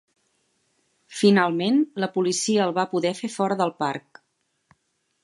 Finalment, la policia el va poder fer fora del parc!